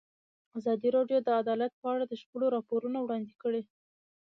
ازادي راډیو د عدالت په اړه د شخړو راپورونه وړاندې کړي.